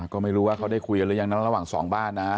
ก็ไม่รู้ว่าเขาได้คุยกันหรือยังนะระหว่างสองบ้านนะ